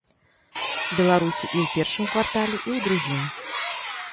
Беларусі і ў першым квартале, і ў другім.